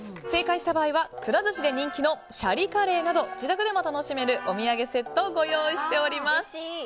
正解した場合はくら寿司で人気のシャリカレーなど自宅でも楽しめるお土産セットをご用意しております。